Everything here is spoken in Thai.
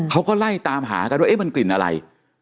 เขาก็ไล่ตามหากันว่ามันกลิ่นอะไร